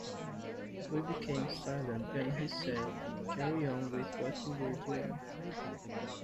We became silent and he said: Carry on with what you were doing.